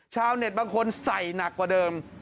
ชาวเน็ตบางคนใส่หนักกว่าเดิม